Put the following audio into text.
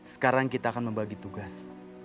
sekarang kita akan membagi tugas